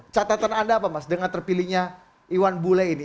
catatan anda apa mas dengan terpilihnya iwan bule ini